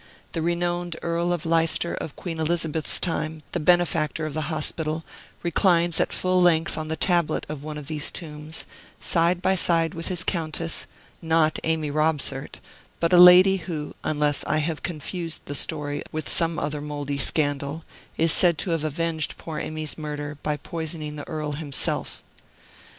The renowned Earl of Leicester of Queen Elizabeth's time, the benefactor of the hospital, reclines at full length on the tablet of one of these tombs, side by side with his Countess, not Amy Robsart, but a lady who (unless I have confused the story with some other mouldy scandal) is said to have avenged poor Amy's murder by poisoning the Earl himself.